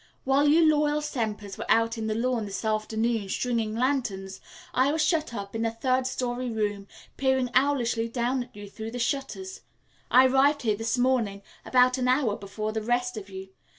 "While you loyal Sempers were out on the lawn this afternoon, stringing lanterns, I was shut up in a third story room peering owlishly down at you through the shutters. I arrived here this morning, about an hour before the rest of you.